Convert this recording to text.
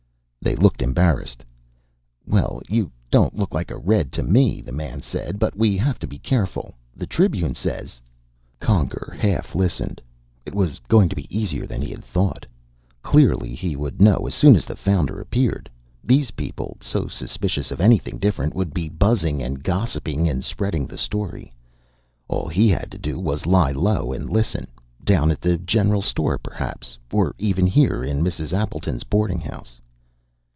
They looked embarrassed. "Well, you don't look like a Red to me," the man said. "But we have to be careful. The Tribune says " Conger half listened. It was going to be easier than he had thought. Clearly, he would know as soon as the Founder appeared. These people, so suspicious of anything different, would be buzzing and gossiping and spreading the story. All he had to do was lie low and listen, down at the general store, perhaps. Or even here, in Mrs. Appleton's boarding house.